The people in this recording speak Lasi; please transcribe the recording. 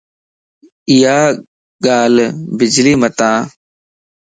ايا ڳالھ بلجي متان